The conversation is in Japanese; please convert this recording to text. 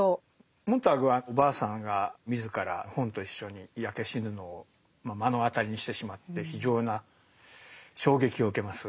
モンターグはおばあさんが自ら本と一緒に焼け死ぬのを目の当たりにしてしまって非常な衝撃を受けます。